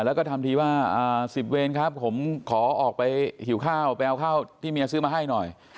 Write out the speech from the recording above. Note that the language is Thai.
แล้วก็ทำทีว่า๑๐เวรครับผมขอออกไปหิวข้าวไปเอาข้าวที่เมียซื้อมาให้หน่อย